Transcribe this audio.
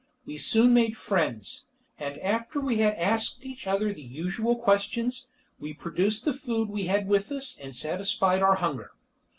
We soon made friends, and after we had asked each other the usual questions, we produced the food we had with us, and satisfied our hunger.